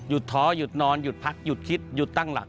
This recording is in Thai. ท้อหยุดนอนหยุดพักหยุดคิดหยุดตั้งหลัก